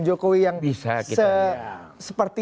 jokowi yang seperti